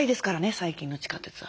最近の地下鉄は。